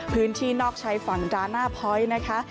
พื้นที่นอกชัยฝั่งด้านหน้าพ้อยนะคะ